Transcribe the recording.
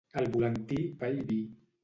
Al volantí, pa i vi.